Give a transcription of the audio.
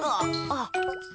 あっ。